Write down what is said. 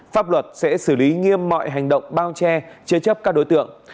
pháp luật sẽ xử lý nghiêm mọi hành động bao che chế chấp các đối tượng